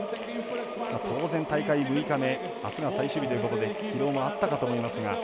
当然、大会６日目あすが最終日ということで疲労もあったかと思いますが。